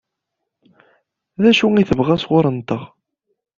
D acu i tebɣa sɣur-nteɣ?